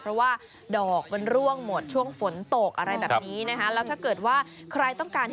เพราะว่าดอกมันร่วงหมดช่วงฝนตกอะไรแบบนี้นะคะ